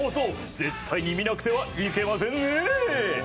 絶対に見なくてはいけませんね。